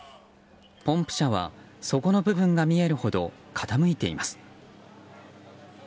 ポンプ車は底の部分が見えるほど傾いています。